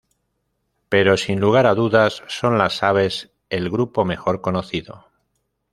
Pero, sin lugar a dudas, son las aves el grupo mejor conocido.